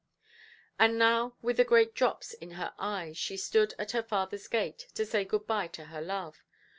And now with the great drops in her eyes, she stood at her fatherʼs gate, to say good–bye to her love.